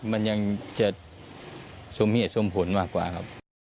มันยังจะสมเหตุสมผลมากกว่าครับ